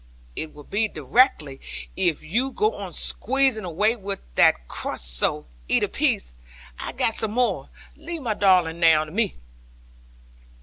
'It will be directly, if you go on squeezing away with that crust so. Eat a piece: I have got some more. Leave my darling now to me.'